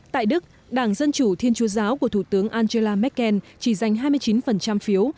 tại đức đảng dân chủ thiên chúa giáo của thủ tướng angela merkel chỉ giành hai mươi chín phiếu